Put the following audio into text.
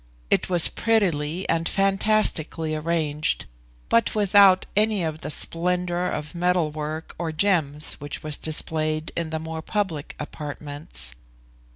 It was prettily and fantastically arranged, but without any of the splendour of metal work or gems which was displayed in the more public apartments.